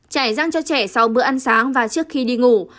trải răng cho trẻ sau bữa ăn sáng và trước khi đi ngủ